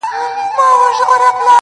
ځمه گريوان پر سمندر باندي څيرم ه